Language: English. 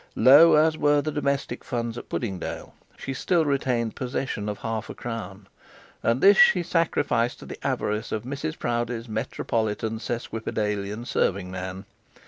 Low as were the domestic funds at Puddingdale, she still retained possession of a half crown, and this she sacrificed to the avarice of Mrs Proudie's metropolitan sesquipedalian serving man.